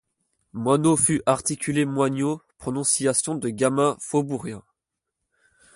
Moineau fut articulé moigneau, prononciation de gamin faubourien.